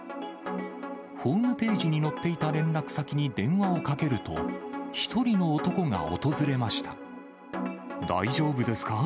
ホームページに載っていた連絡先に電話をかけると、大丈夫ですか？